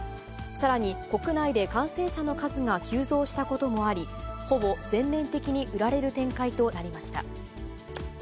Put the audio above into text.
さらに、国内で感染者の数が急増したこともあり、ほぼ全面的に売られる展開となりました。